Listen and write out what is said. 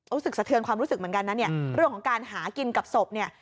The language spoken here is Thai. สะเทือนความรู้สึกเหมือนกันนะเนี่ยเรื่องของการหากินกับศพเนี่ย